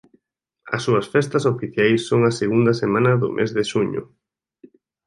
As súas festas oficiais son a segunda semana do mes de xuño.